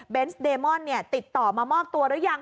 เดมอนติดต่อมามอบตัวหรือยัง